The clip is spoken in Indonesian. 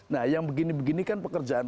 nah yang begini begini kan pekerjaan